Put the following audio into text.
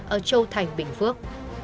ở châu thành bình phước